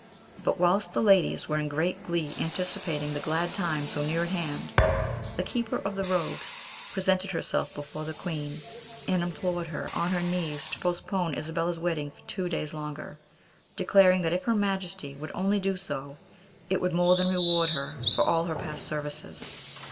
But whilst the ladies were in great glee anticipating the glad time so near at hand, the keeper of the robes presented herself before the queen, and implored her on her knees to postpone Isabella's wedding for two days longer, declaring that if her majesty would only do so, it would more than reward her for all her past services.